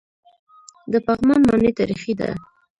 د پغمان ماڼۍ تاریخي ده